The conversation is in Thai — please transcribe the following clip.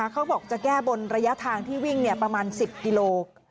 เขาบอกจะแก้บนระยะทางที่วิ่งประมาณ๑๐กิโล